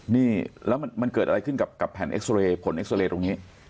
นี่แล้วมันเกิดอะไรขึ้นกับแผ่นเอ็กซอเรย์ผลเอ็กซาเรย์ตรงนี้